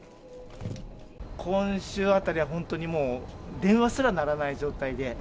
今週あたりは本当にもう、電話すら鳴らない状態で。